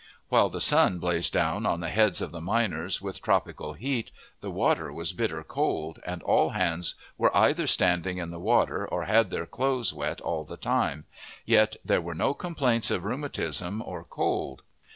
While the' sun blazed down on the heads of the miners with tropical heat, the water was bitter cold, and all hands were either standing in the water or had their clothes wet all the time; yet there were no complaints of rheumatism or cold.